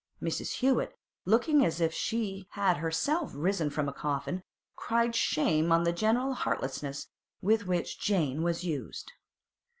Mrs. Hewett, looking as if she had herself risen from a coffin, cried shame on the general heartlessness with which Jane was used.